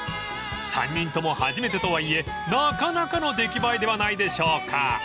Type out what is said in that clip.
［３人とも初めてとはいえなかなかの出来栄えではないでしょうか］